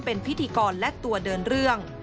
เป็นพิธีกรและตัวเดินเรื่อง